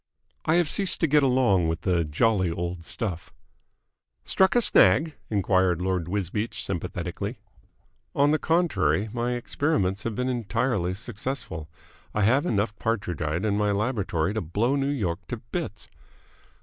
"I have ceased to get along with the jolly old stuff." "Struck a snag?" enquired Lord Wisbeach sympathetically. "On the contrary, my experiments have been entirely successful. I have enough Partridgite in my laboratory to blow New York to bits!"